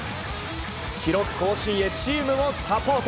記録更新へチームもサポート。